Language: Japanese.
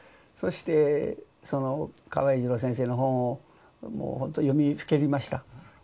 そしてその河合栄治郎先生の本をもうほんと読みふけりました。